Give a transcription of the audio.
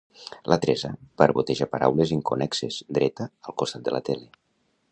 La Teresa barboteja paraules inconnexes, dreta al costat de la tele.